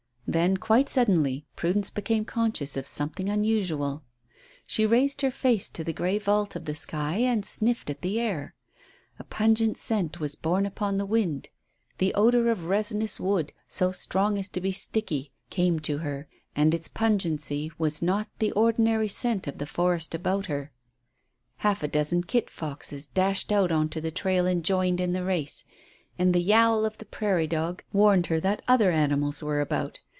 Then quite suddenly Prudence became conscious of something unusual. She raised her face to the grey vault of the sky and sniffed at the air. A pungent scent was borne upon the wind. The odour of resinous wood, so strong as to be sickly, came to her, and its pungency was not the ordinary scent of the forest about her. Half a dozen kit foxes dashed out on to the trail and joined in the race, and the "yowl" of the prairie dog warned her that other animals were about.